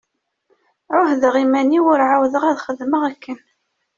Ԑuhdeɣ iman-iw ur εawdeɣ ad xedmeɣ akken.